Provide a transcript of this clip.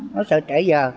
nó sợ trễ giờ